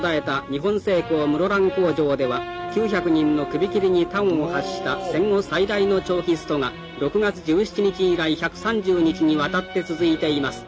日本製鋼室蘭工場では９００人のクビキリに端を発した戦後最大の長期ストが６月１７日以来１３０日にわたって続いています。